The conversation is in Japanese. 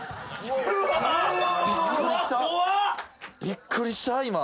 びっくりした今。